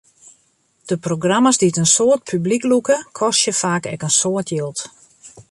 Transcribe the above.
De programma's dy't in soad publyk lûke, kostje faak ek in soad jild.